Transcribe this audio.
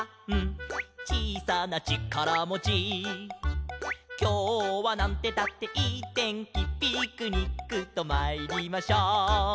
「ちいさなちからもち」「きょうはなんてったっていいてんき」「ピクニックとまいりましょう」